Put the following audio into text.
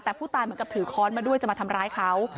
แต่ผู้ตายเหมือนกับถือค้อนมาด้วยจะมาทำร้ายเขา